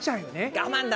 我慢！